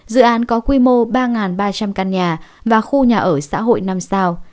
dự án có quy mô ba ba trăm linh căn nhà và khu nhà ở xã hội năm sao